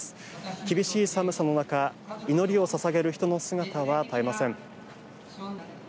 厳しい寒さの中祈りを捧げる人の姿は絶えません。